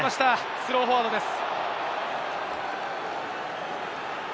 スローフォワードです。